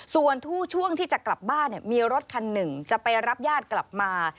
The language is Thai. ส่วนช่วงที่จะกลับบ้านมีรถคันหนึ่งจะไปรับญาติกลับมา